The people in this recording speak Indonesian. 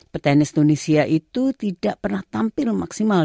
petenis tunisia itu tidak pernah tampil memaksimal